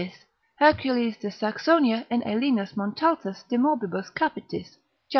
Hercules de Saxonia in Pan. Aelinus, Montaltus de morb. capitis, cap.